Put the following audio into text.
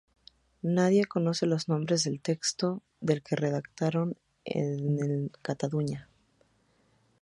Nadie conoce los nombres del texto del que redactaron el de Cataluña.